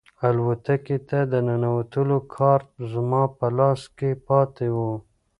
الوتکې ته د ننوتلو کارت زما په لاس کې پاتې و.